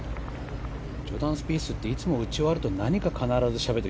ジョーダン・スピースっていつも打ち終わると何か、必ずしゃべる。